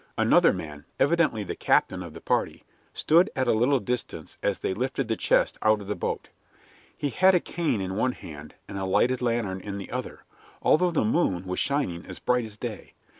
Another man, evidently the captain of the party, stood at a little distance as they lifted the chest out of the boat. He had a cane in one hand and a lighted lantern in the other, although the moon was shining as bright as day.